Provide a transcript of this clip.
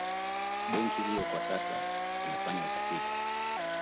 Benki hiyo kwa sasa inafanya utafiti